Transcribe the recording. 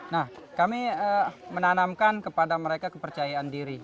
nah kami menanamkan kepada mereka kepercayaan diri